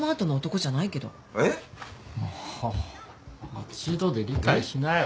もう一度で理解しなよ。